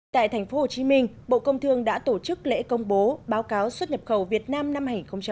tại tp hcm bộ công thương đã tổ chức lễ công bố báo cáo xuất nhập khẩu việt nam năm hai nghìn hai mươi